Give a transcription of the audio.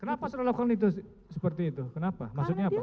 kenapa sudah lokalnya seperti itu kenapa maksudnya apa